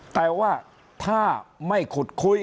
แต่ว่าถ้าไม่ขุดคุย